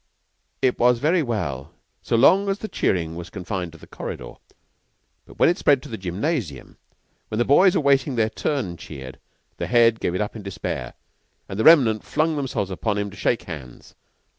It was very well so long as the cheering was confined to the corridor, but when it spread to the gymnasium, when the boys awaiting their turn cheered, the Head gave it up in despair, and the remnant flung themselves upon him to shake hands.